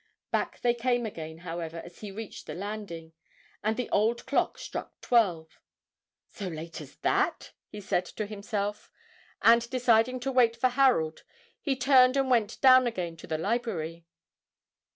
Back they came again, however, as he reached the landing, and the old clock struck twelve. "So late as that?" he said to himself, and deciding to wait for Harold, he turned and went down again to the library.